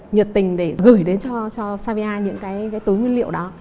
nhiệt tình để gửi đến cho savia những cái tối nguyên liệu đó